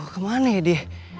ke mana ya di